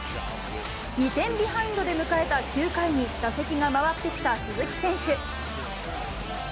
２点ビハインドで迎えた９回に打席が回ってきた鈴木選手。